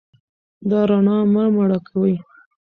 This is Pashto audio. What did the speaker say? دا رڼا مه مړه کوئ.